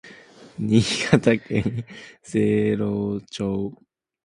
新潟県聖籠町